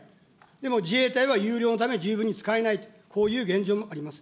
でも自衛隊は有料のため十分に使えないという、こういう現状もあります。